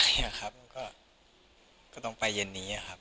ก็ไม่รู้สึกอะไรครับก็ต้องไปเย็นนี้ครับ